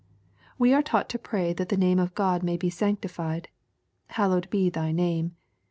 We are taught to pray that the name of God may be sanctified :" Hallowed be thy name."